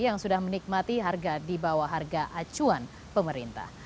yang sudah menikmati harga di bawah harga acuan pemerintah